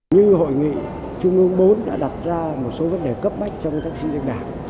như hội nghị trung ương bốn đã đặt ra một số vấn đề cấp bách trong các di trích đảng